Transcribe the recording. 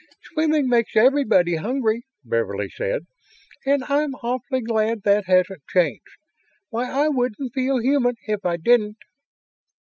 "Swimming makes everybody hungry," Beverly said, "and I'm awfully glad that hasn't changed. Why, I wouldn't feel human if I didn't!"